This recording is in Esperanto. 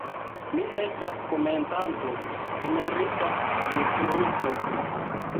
Mi estas komencanto, emerita instruisto.